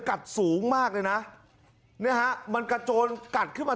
กัดสูงมากเลยนะเนี่ยฮะมันกระโจนกัดขึ้นมา